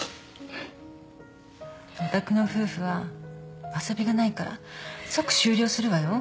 お宅の夫婦は遊びがないから即終了するわよ。